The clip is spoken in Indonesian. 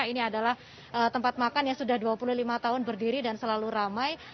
ini adalah tempat makan yang sudah dua puluh lima tahun berdiri dan selalu ramai